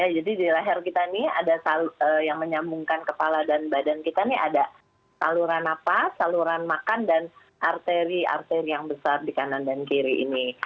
jadi di leher kita ini ada yang menyambungkan kepala dan badan kita ini ada saluran apa saluran makan dan arteri arteri yang besar di kanan dan kiri ini